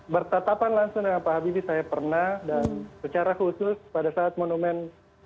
bertetapan langsung dengan pak habibie saya pernah dan secara khusus pada saat monumen